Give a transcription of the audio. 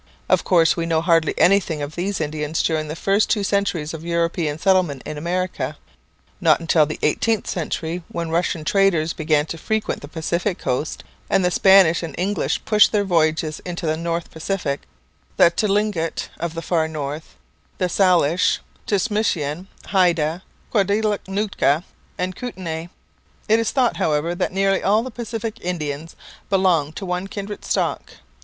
Of course, we know hardly anything of these Indians during the first two centuries of European settlement in America. Not until the eighteenth century, when Russian traders began to frequent the Pacific coast and the Spanish and English pushed their voyages into the North Pacific, the Tlingit of the far north, the Salish, Tsimshian, Haida, Kwakiutl Nootka and Kutenai. It is thought, however, that nearly all the Pacific Indians belong to one kindred stock.